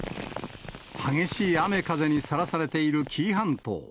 激しい雨風にさらされている紀伊半島。